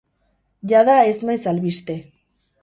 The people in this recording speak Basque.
Jada ez naiz albiste.